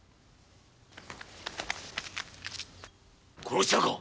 殺したか！